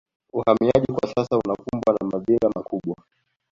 Uhamiaji kwa sasa unakumbwa na madhila makubwa